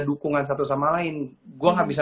dukungan satu sama lain gue gak bisa